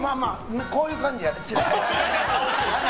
こういう感じやで。